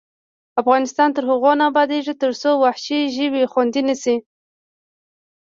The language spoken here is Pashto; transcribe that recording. افغانستان تر هغو نه ابادیږي، ترڅو وحشي ژوي خوندي نشي.